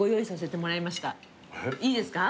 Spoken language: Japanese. いいですか？